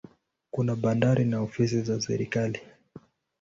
Kuna bandari na ofisi za serikali.